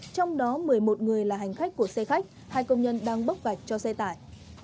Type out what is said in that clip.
trong đó một mươi một người là hành khách của xe khách hai công nhân đang bốc gạch cho xe tải